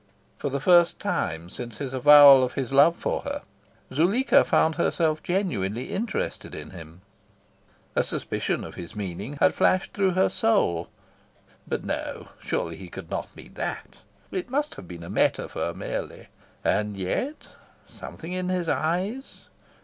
For the first time since his avowal of his love for her, Zuleika found herself genuinely interested in him. A suspicion of his meaning had flashed through her soul. But no! surely he could not mean THAT! It must have been a metaphor merely. And yet, something in his eyes...